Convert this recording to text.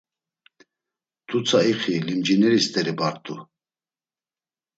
T̆utsa ixi, limcineri st̆eri bart̆u.